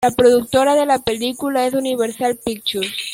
La productora de la película es Universal Pictures.